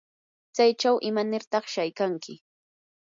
¿tsaychaw imanirtaq shaykanki?